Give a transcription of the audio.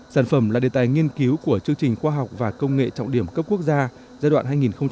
sản phẩm là đề tài nghiên cứu của chương trình khoa học và công nghệ trọng điểm cấp quốc gia giai đoạn hai nghìn một mươi sáu hai nghìn hai mươi